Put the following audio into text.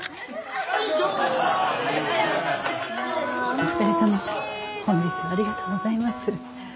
お二人とも本日はありがとうございます。